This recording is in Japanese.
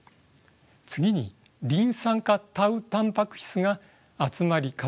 次にリン酸化タウタンパク質が集まり固まってたまります。